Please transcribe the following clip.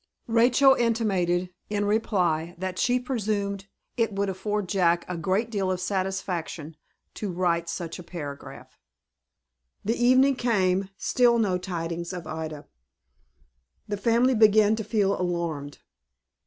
Rachel intimated, in reply, that she presumed it would afford Jack a great deal of satisfaction to write such a paragraph. The evening came. Still no tidings of Ida. The family began to feel alarmed.